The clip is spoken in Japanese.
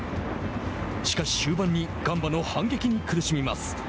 しかし、終盤にガンバの反撃に苦しみます。